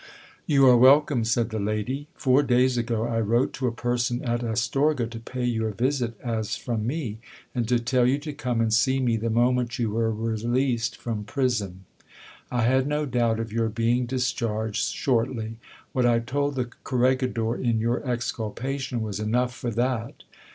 You are welcome, said the lady. Four days ago I wrote to a person at Astorga, to pay you a visit as from me, and to tell you to come and see me the moment you were released from prison. I had no doubt of your being dis charged shortly : what I told the corregidor in your exculpation was enough for that.